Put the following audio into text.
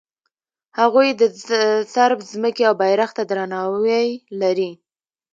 هغوی د صرب ځمکې او بیرغ ته درناوی لري.